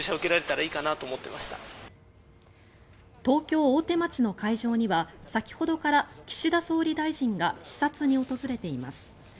東京・大手町の会場には先ほどから岸田総理大臣が視察に訪れています。